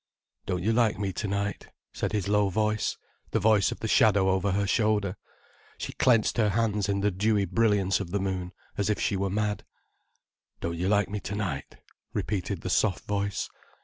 "Don't you like me to night?" said his low voice, the voice of the shadow over her shoulder. She clenched her hands in the dewy brilliance of the moon, as if she were mad. "Don't you like me to night?" repeated the soft voice.